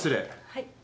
はい。